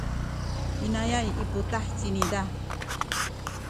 inayay i putah ci ina.